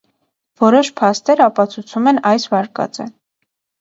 Որոշ փաստեր ապացուցում են այս վարկածը։